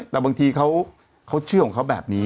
แต่บางทีเขาเชื่อของเขาแบบนี้